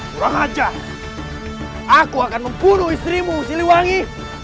kurang aja aku akan membunuh istrimu siliwangi